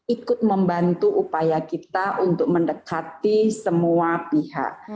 ikut membantu upaya kita untuk mendekati semua pihak